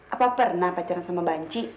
apa pernah pacaran sama banci